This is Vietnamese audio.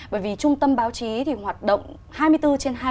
bởi vì trung tâm báo chí thì hoạt động hai mươi bốn trên hai mươi bốn